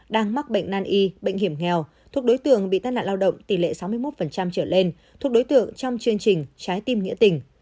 đang mắc bệnh nan y bệnh hiểm nghèo thuộc đối tượng bị tai nạn lao động tỷ lệ sáu mươi một trở lên thuộc đối tượng trong chương trình trái tim nghĩa tình